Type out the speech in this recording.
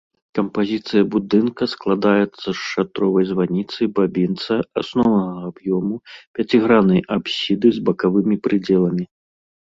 Кампазіцыя будынка складаецца з шатровай званіцы, бабінца, асноўнага аб'ёму, пяціграннай апсіды з бакавымі прыдзеламі.